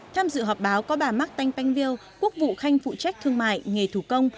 tham dự họp báo có bà mark tanh panh vieu quốc vụ khanh phụ trách thương mại nghề thủ công